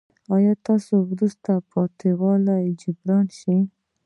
ایا ستاسو وروسته پاتې والی به جبران شي؟